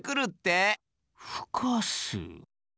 ふかす？